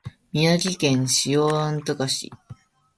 宮城県塩竈市